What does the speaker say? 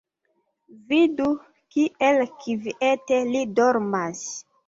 Vidu, kiel kviete li dormas.